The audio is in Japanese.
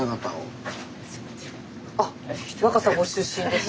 あっ若桜ご出身ですって。